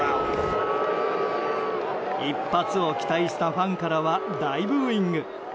一発を期待したファンからは大ブーイング。